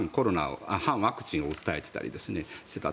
反ワクチンを訴えていたりしていた。